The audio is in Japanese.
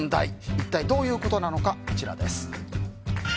一体どういうことなのかこちらです。